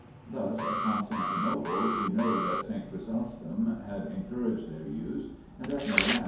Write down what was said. Thus, at Con stantinople we know that S. Chrysostom had en couraged their use, and at Milan S.